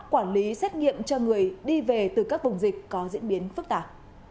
quản lý xét nghiệm cho người đi về từ các vùng dịch có diễn biến phức tạp